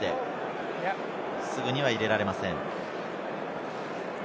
すぐには入れられません。